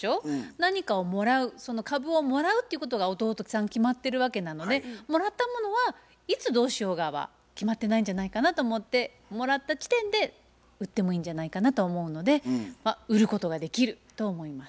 何かをもらうその株をもらうっていうことが弟さん決まってるわけなのでもらったものはいつどうしようがは決まってないんじゃないかなと思ってもらった時点で売ってもいいんじゃないかなと思うので売ることができると思います。